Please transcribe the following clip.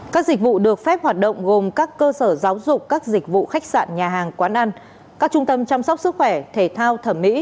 các dịch vụ được phép hoạt động gồm các cơ sở giáo dục các dịch vụ khách sạn nhà hàng quán ăn các trung tâm chăm sóc sức khỏe thể thao thẩm mỹ